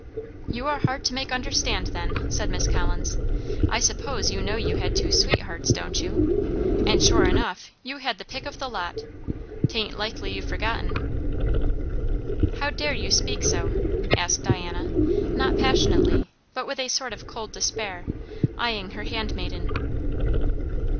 "You are hard to make understand, then," said Miss Collins. "I suppose you know you had two sweethearts, don't you? And sure enough you had the pick of the lot. 'Tain't likely you've forgotten." "How dare you speak so?" asked Diana, not passionately, but with a sort of cold despair, eying her handmaiden.